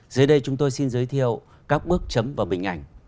dưới đây chúng tôi xin giới thiệu các bước chấm và bình ảnh